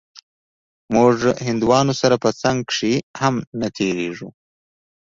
موږ هندوانو سره په څنگ کښې هم نه تېرېږو.